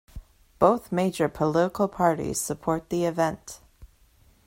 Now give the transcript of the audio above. Both major political parties support the event.